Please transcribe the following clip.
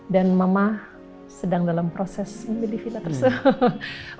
dan mama sedang dalam proses memilih villa tersebut